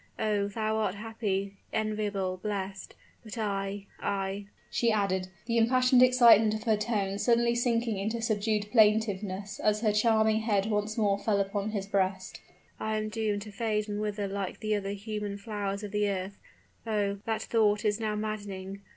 Oh, thou art happy, enviable, blest. But I I," she added, the impassioned excitement of her tone suddenly sinking into subdued plaintiveness as her charming head once more fell upon his breast "I am doomed to fade and wither like the other human flowers of the earth. Oh, that thought is now maddening.